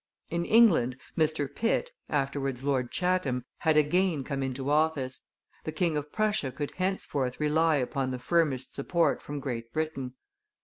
In England, Mr. Pitt, afterwards Lord Chatham, had again come into office; the King of Prussia could henceforth rely upon the firmest support from Great Britain.